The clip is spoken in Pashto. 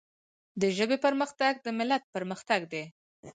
د ژبي پرمختګ د ملت پرمختګ دی.